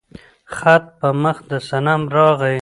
خط په مخ د صنم راغى